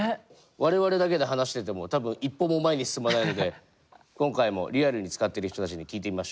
我々だけで話してても多分一歩も前に進まないので今回もリアルに使ってる人たちに聞いてみましょう。